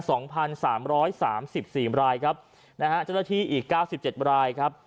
สองพันสามร้อยสามสิบสี่รายครับนะฮะเจ้าหน้าที่อีกเก้าสิบเจ็ดรายครับ